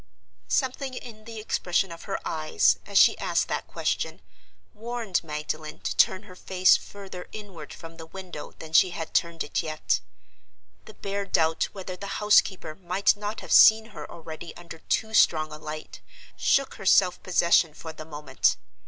Something in the expression of her eyes, as she asked that question, warned Magdalen to turn her face further inward from the window than she had turned it yet. The bare doubt whether the housekeeper might not have seen her already under too strong a light shook her self possession for the moment.